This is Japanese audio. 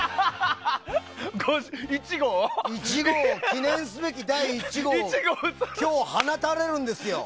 記念すべき第１号を今日、放たれるんですよ。